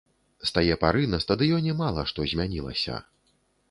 З тае пары на стадыёне мала што змянілася.